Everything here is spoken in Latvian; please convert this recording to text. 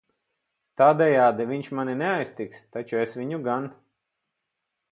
Tādejādi viņš mani neaiztiks, taču es viņu gan.